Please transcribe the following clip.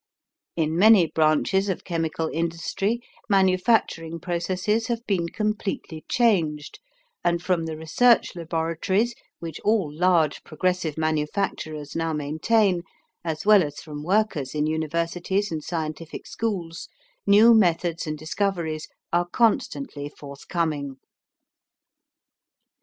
In many branches of chemical industry manufacturing processes have been completely changed, and from the research laboratories, which all large progressive manufacturers now maintain, as well as from workers in universities and scientific schools, new methods and discoveries are constantly forthcoming.